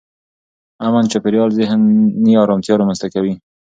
امن چاپېریال ذهني ارامتیا رامنځته کوي.